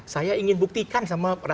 saya ingin buktikan sama